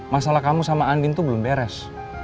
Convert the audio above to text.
masalah kamu sama andien tuh belum beres